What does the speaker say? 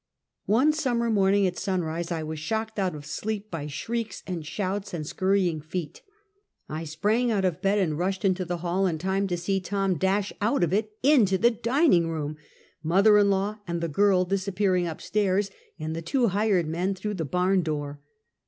One summer morning at sunrise I was shocked out of sleep by shrieks and shouts and scurrying feet. I sprang out of bed and rushed into the hall in time to see Tom dash out of it into the dining room, mother in law and the girl disappeainng up stairs and the two hired men through the barn door.